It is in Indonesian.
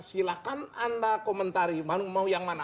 silahkan anda komentari mau yang mana